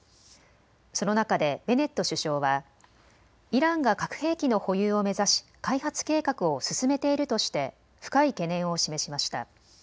その中でベネット首相はイランが核兵器の保有を目指し開発計画を進めているとして深い懸念を示しました。